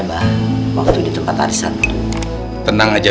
bah waktu di tempat hari satu tenang aja